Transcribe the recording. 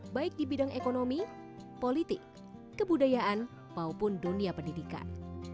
baik di bidang ekonomi politik kebudayaan maupun dunia pendidikan